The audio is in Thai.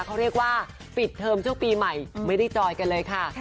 เขาเรียกว่าปิดเทอมช่วงปีใหม่ไม่ได้จอยกันเลยค่ะ